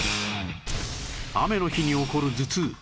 雨の日に起こる頭痛